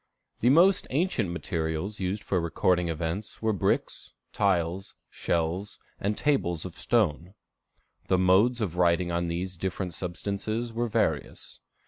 The most ancient materials used for recording events were bricks, tiles, shells, and tables of stone. The modes of writing on these different substances were various.